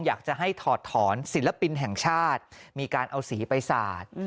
อยากจะให้ถอดถอนศิลปินแห่งชาติมีการเอาสีไปสาด